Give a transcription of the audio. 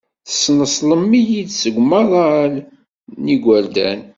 Teṣneṣlem-iyi-d seg umaḍal n yigerdan.